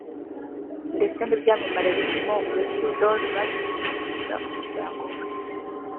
ndetse n’ibyamamare birimo Youssou N’Dour baje guhumuriza umuryango we